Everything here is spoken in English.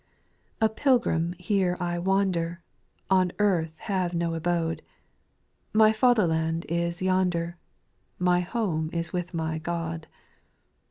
A PILGRIM here I wander, i\. On earth have no abode ; My fatherland is yonder. My home is with my God.